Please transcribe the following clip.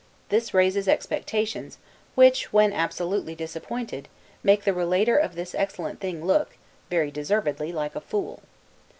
This raises expectations, which, when absolutely disappointed, make the relater of this excellent thing look, very deservedly, like a fool.